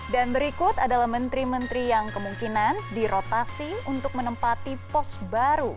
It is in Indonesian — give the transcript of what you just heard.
dan berikut adalah menteri menteri yang kemungkinan dirotasi untuk menempati pos baru